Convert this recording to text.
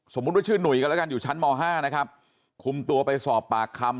ว่าชื่อหนุ่ยกันแล้วกันอยู่ชั้นม๕นะครับคุมตัวไปสอบปากคำ